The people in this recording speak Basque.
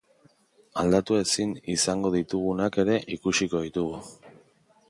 Aldatu ezin izango ditugunak ere ikusiko ditugu.